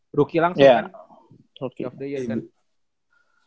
bisa dibilang cepet juga lah ya